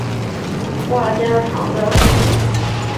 话家常的妇女